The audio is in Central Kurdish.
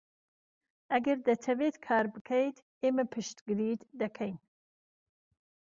ئەگەر دەتەوێت کار بکەیت، ئێمە پشتگیریت دەکەین.